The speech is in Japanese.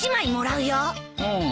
うん。